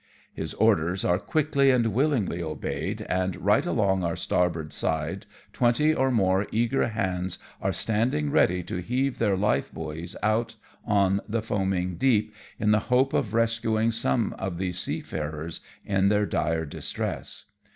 His orders are quickly and willingly obeyed, and right along our starboard side twenty or more eager hands are standing ready to heave their life buoys out on the foaming deep, in the hope of rescuing some of these seafarers in their dire distress.